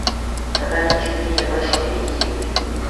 Тата инҫетри яла ҫитме те йывӑр.